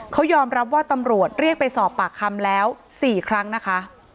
เขายอมรับว่าตำรวจเรียกไปสอบปากคำแล้ว๔ครั้งนะคะ